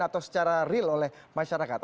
atau secara real oleh masyarakat